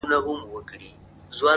خو اوس دي گراني دا درسونه سخت كړل،